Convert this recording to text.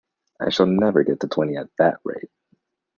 I shall never get to twenty at that rate!